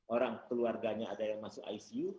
orang keluarganya ada yang masuk icu